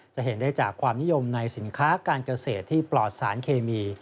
จะเห็นได้จากความนิยมในสินค้าการเกษตรที่ปลอดสารเคมี